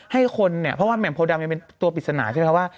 ให้คนเนี่ยเพราะว่าแหม่มโพดำยังเป็นตัวปริศนาใช่ไหมคะว่า